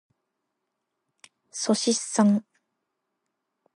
っそしっさん。